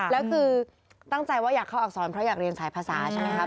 แล้วคือตั้งใจว่าอยากเข้าอักษรเพราะอยากเรียนสายภาษาใช่ไหมครับ